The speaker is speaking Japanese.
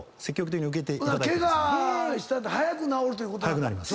早くなります。